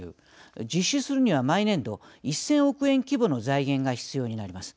実施するには毎年度１，０００億円規模の財源が必要になります。